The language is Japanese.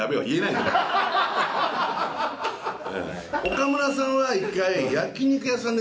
岡村さんは一回。